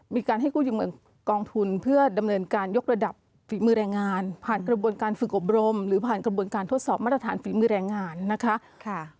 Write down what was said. มีการให้กู้ยืมเงินกองทุนเพื่อดำเนินการยกระดับฝีมือแรงงานผ่านกระบวนการฝึกอบรมหรือผ่านกระบวนการทดสอบมาตรฐานฝีมือแรงงานนะคะ